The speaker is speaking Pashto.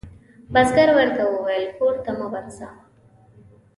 بزګر ورته وویل کور ته مه ورځه.